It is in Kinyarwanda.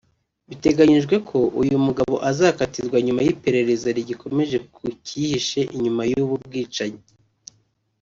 Biteganyijwe ko uyu mugabo azakatirwa nyuma y’iperereza rigikomeje ku cyihishe inyuma y’ubu bwicanyi